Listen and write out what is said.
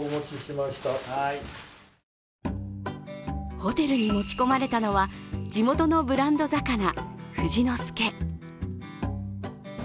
ホテルに持ち込まれたのは地元のブランド魚、富士の介。